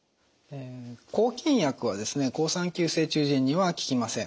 抗菌薬は好酸球性中耳炎には効きません。